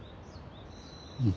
うん。